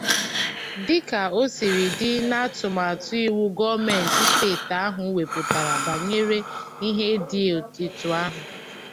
dịka o siri dị n'atụmatụ iwu gọọmenti steeti ahụ wepụtara banyere ihe dị etu ahụ.